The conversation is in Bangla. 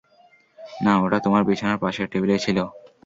না, ওটা তোমার বিছানার পাশের টেবিলে ছিল।